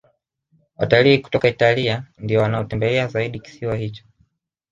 Watalii kutoka italia ndiyo wanaotembelea zaidi kisiwa hicho